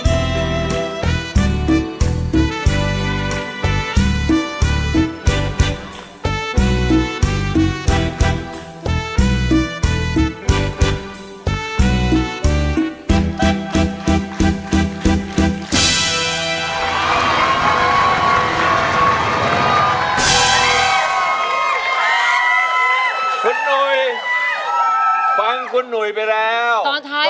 ตอนท้ายมันเป็นอย่างนี้หรือไง